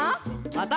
また。